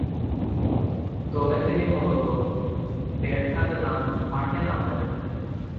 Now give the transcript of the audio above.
দলে তিনি মূলতঃ ব্যাট হাতে মাঠে নামতেন।